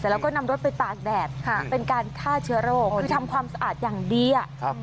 แล้วก็นำรถไปตากแดดค่ะเป็นการฆ่าเชื้อโรคคือทำความสะอาดอย่างดีอ่ะครับ